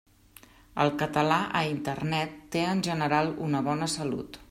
El català a Internet té en general una bona salut.